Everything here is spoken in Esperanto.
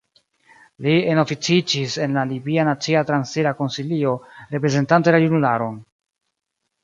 Li enoficiĝis en la libia Nacia Transira Konsilio reprezentante la junularon.